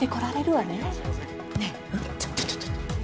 ねえちょっとちょっと。